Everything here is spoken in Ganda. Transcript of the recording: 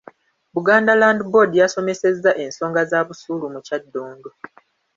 Buganda Land Board yasomesezza ensonga za busuulu mu Kyaddondo.